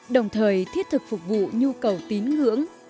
đồng thời thiết thực phục vụ nhu cầu tín ngưỡng